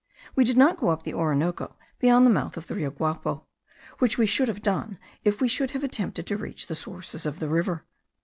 We did not go up the Orinoco beyond the mouth of the Rio Guapo, which we should have done, if we could have attempted to reach the sources of the river.